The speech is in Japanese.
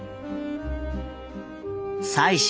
妻子